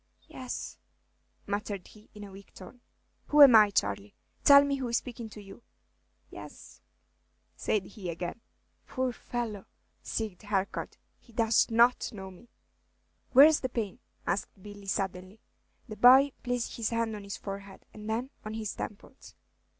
"Yes," muttered he, in a weak tone. "Who am I, Charley? Tell me who is speaking to you." "Yes," said he again. "Poor fellow!" Bighed Harcourt, "he does not know me!" "Where's the pain?" asked Billy, suddenly. The boy placed his hand on his forehead, and then on his temples.